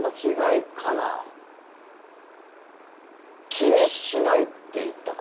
「気にしない」って言ったか？